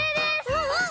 うんうん！